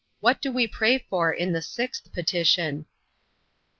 What do we pray for in the sixth petition?